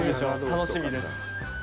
楽しみです。